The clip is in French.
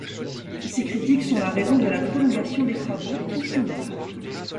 Ces critiques sont la raison de la prolongation des travaux au sein du parc.